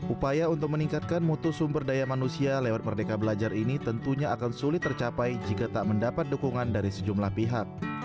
upaya untuk meningkatkan mutu sumber daya manusia lewat merdeka belajar ini tentunya akan sulit tercapai jika tak mendapat dukungan dari sejumlah pihak